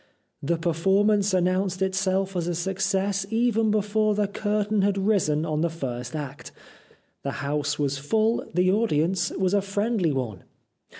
The performance announced itself as a success even before the curtain had risen on the first act. The house was full, the audience was a friendly one.